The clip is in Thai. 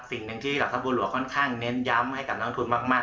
สิ่งหนึ่งที่เหล่าทัพบัวหลวงค่อนข้างเน้นย้ำให้กับนักลงทุนมาก